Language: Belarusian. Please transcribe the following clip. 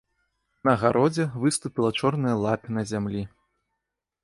На гародзе выступіла чорная лапіна зямлі.